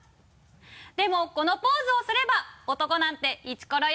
「でもこのポーズをすれば男なんてイチコロよ」